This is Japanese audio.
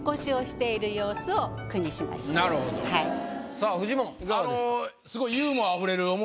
さあフジモンいかがですか？